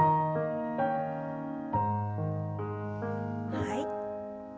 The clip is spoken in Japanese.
はい。